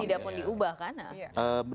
tidakpun diubah kan